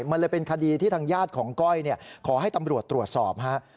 มันเลยเป็นคดีที่ทางญาติของก้อยขอให้ตำรวจตรวจสอบฮะ